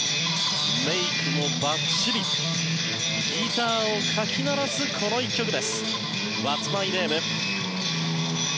メイクもばっちりギターをかき鳴らすこの１曲です「Ｗｈａｔ’ｓＭｙＮａｍｅ？」。